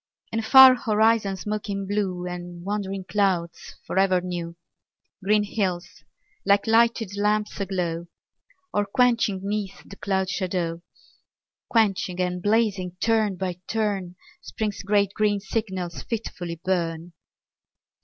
And far horizons smoking blue And wandering clouds for ever new ; Green hills, like lighted lamps aglow Or quenching 'neath the cloud shadow. Quenching and blazing turn by turn Spring's great green signals fitfully burn.